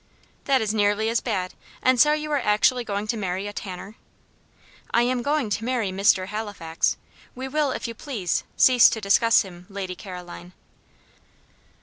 "That is nearly as bad. And so you are actually going to marry a tanner?" "I am going to marry Mr. Halifax. We will, if you please, cease to discuss him, Lady Caroline."